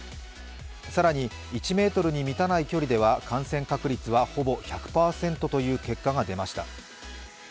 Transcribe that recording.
更に１ｍに満たない距離では感染確率はほぼ１００％という結果が出ました。